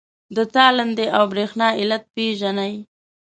د تالندې او برېښنا علت پیژنئ؟